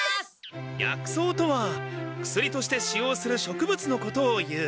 薬草とは薬として使用する植物のことをいう。